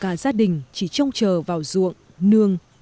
cả gia đình chỉ trông chờ vào ruộng nương